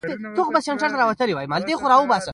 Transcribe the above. په بې مثاله شر له اړخه.